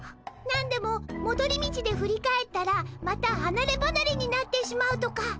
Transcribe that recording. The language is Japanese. なんでももどり道で振り返ったらまたはなればなれになってしまうとか。